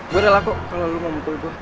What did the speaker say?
gue rela kok kalau lo mau mukul gue